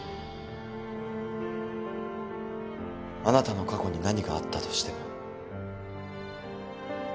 あなたの過去に何があったとしても。